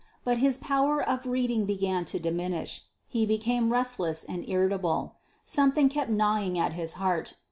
But his power of reading began to diminish. He became restless and irritable. Something kept gnawing at his heart.